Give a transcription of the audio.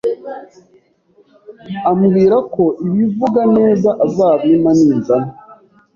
ambwira ko ibivuga neza azabimpa ninzana